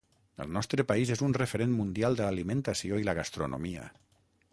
El nostre país és un referent mundial de l’alimentació i la gastronomia.